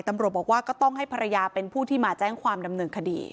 ตำรวจบอกว่าก็ต้องให้ภรรยาเป็นผู้ที่มาแจ้งความดำเนินคดี